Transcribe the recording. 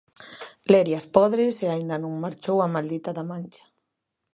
Lerias podres e aínda non marchou a maldita da mancha.